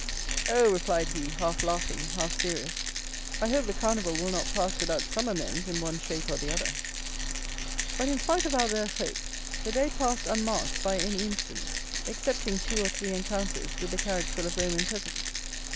"Oh," replied he, half laughing, half serious; "I hope the Carnival will not pass without some amends in one shape or the other." But, in spite of Albert's hope, the day passed unmarked by any incident, excepting two or three encounters with the carriage full of Roman peasants.